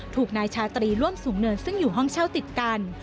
ถูกนายชาตรีร่วมสูงเนินซึ่งอยู่ห้องเช่าติดกัน